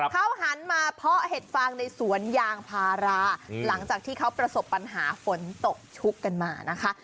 เขาหันมาเพาะเห็ดฟางในสวนยางพาราหลังจากที่เขาประสบปัญหาฝนตกชุกกันมานะคะ